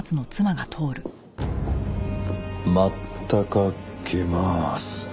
またかけまーす。